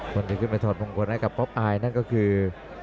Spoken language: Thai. คนที่ขึ้นมาถอดภงกว่านั้นกับป๊อปอายนั่นก็คือ